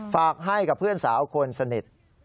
ฝากให้กับเพื่อนสาวคนสนิท